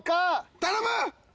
頼む！